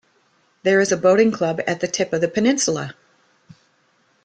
There is a boating club at the tip of the peninsula.